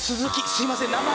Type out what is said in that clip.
すいません名前！